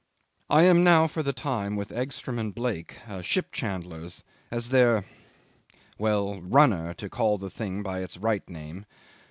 "I am now for the time with Egstrom & Blake, ship chandlers, as their well runner, to call the thing by its right name.